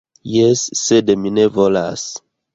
Jes, sed mi ne volas!